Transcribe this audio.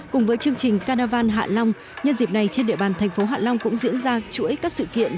cùng với chương trình carnival hạ long nhân dịp này trên địa bàn thành phố hạ long cũng diễn ra chuỗi các sự kiện